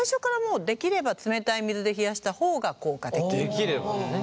できればね。